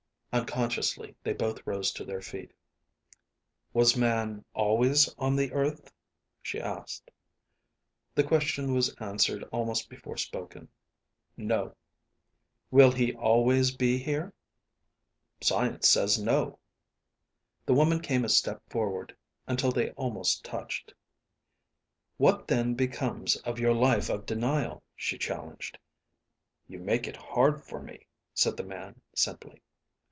Unconsciously they both rose to their feet. "Was man always on the earth?" she asked. The question was answered almost before spoken. "No." "Will he always be here?" "Science says 'no.'" The woman came a step forward until they almost touched. "What then becomes of your life of denial?" she challenged. "You make it hard for me," said the man, simply.